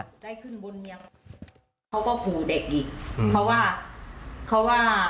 ทวงหนี้แบบนั้นคือว่าเขาติดเงินแม่จริง